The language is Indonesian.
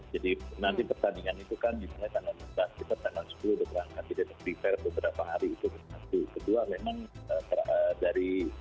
jadi nanti pertandingan itu kan disuruhnya tanggal sepuluh berangkat tidak terlalu berapa hari itu